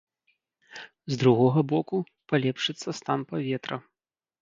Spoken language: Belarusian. З другога боку, палепшыцца стан паветра.